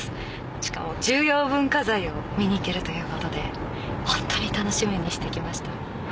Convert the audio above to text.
しかも重要文化財を見に行けるということでホントに楽しみにしてきました。